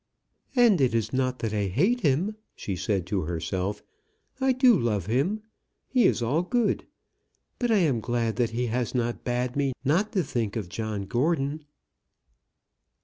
"And it is not that I hate him," she said to herself. "I do love him. He is all good. But I am glad that he has not bade me not to think of John Gordon."